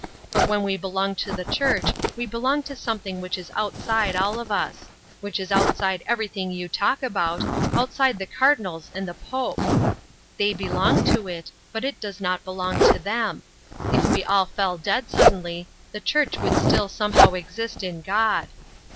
But when we belong to the Church we belong to something which is outside all of us; which is outside everything you talk about, outside the Cardinals and the Pope. They belong to it, but it does not belong to them. If we all fell dead suddenly, the Church would still somehow exist in God.